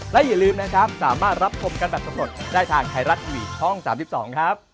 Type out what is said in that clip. และอย่าลืมนะครับสามารถรับคมกันแบบทั้งหมดได้ทางไทรัตวิชช่อง๓๒ครับ